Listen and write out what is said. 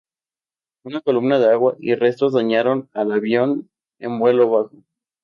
Una columna de agua y restos dañaron al avión en vuelo bajo.